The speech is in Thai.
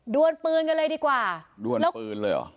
วนปืนกันเลยดีกว่าด้วนปืนเลยเหรอ